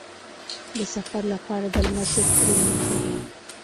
د سفر لپاره د لمر ضد کریم مه هېروه.